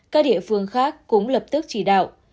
các địa phương khác cũng lập tức chỉ đạo